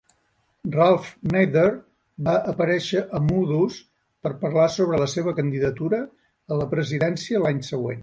Ralph Nader va aparèixer a Moodus per parlar sobre la seva candidatura a la presidència l'any següent.